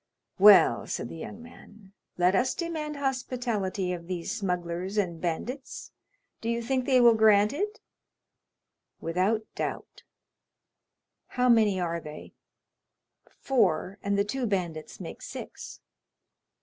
"Well," said the young man, "let us demand hospitality of these smugglers and bandits. Do you think they will grant it?" "Without doubt." "How many are they?" "Four, and the two bandits make six."